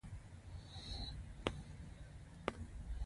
سپور د باکتریاوو د ژوند یوه برخه ده.